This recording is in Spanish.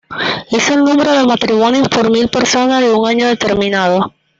Es el número de matrimonios por mil personas en un año determinado.